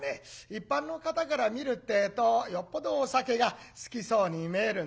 一般の方から見るってえとよっぽどお酒が好きそうに見えるんでございましょうね。